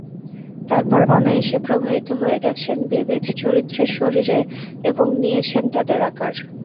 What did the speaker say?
তারপর অনায়াসে প্রবাহিত হয়ে গেছেন বিবিধ চরিত্রের শরীরে এবং নিয়েছেন তাঁদের আকার।